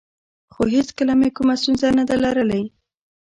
خو هېڅکله مې کومه ستونزه نه ده لرلې